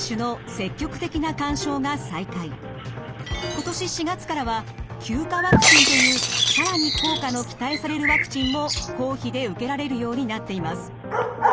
今年４月からは９価ワクチンという更に効果の期待されるワクチンも公費で受けられるようになっています。